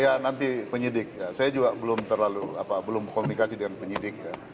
iya nanti penyidik saya juga belum terlalu belum berkomunikasi dengan penyidik